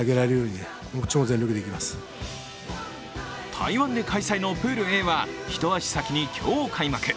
台湾で開催のプールＡは一足先に今日開幕。